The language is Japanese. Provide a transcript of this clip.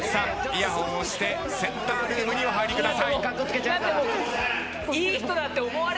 イヤホンをしてセンタールームにお入りください。